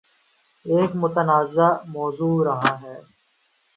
ایک متنازعہ موضوع رہا ہے